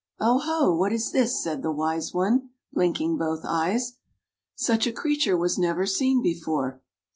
"O, ho! What is this?" said the wise one, blinking both eyes. "Such a creature was never seen before.